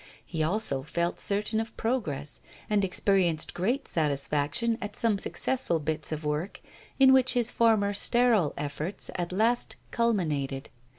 He also felt certain of progress, and experienced great satisfaction at some successful bits of work, in which his former sterile efforts at last culminated.